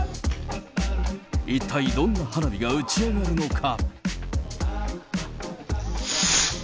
一体どんな花火が打ち上がるのか。